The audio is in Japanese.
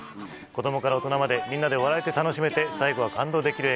子どもから大人まで、みんなで笑えて楽しめて、最後は感動できる